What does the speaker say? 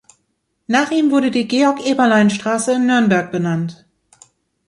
Nach ihm wurde die Georg-Eberlein-Straße in Nürnberg benannt.